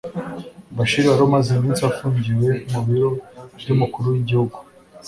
Bashir wari umaze iminsi afungiwe mu biro by’umukuru w’igihugu